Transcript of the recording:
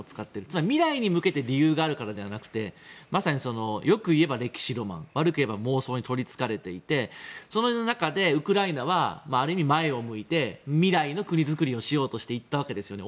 つまり、未来に向けて理由があるからではなくてまさに、よく言えば歴史ロマン悪ければ妄想にとりつかれていてその中でウクライナはある意味、前を向いて未来の国造りをしようとしていったわけですよね。